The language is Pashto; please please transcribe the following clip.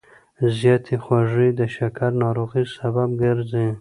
زیاتې خوږې د شکر ناروغۍ سبب ګرځي.